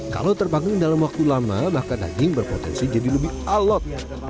kalau terpanggang dalam waktu lama maka daging berpotensi jadi lebih alot